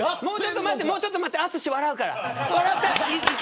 もうちょっと待って淳が笑うから。